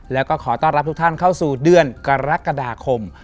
แล้วก็ขอต้อนรับทุกท่านเข้าสู่เดือนกรกฎาคม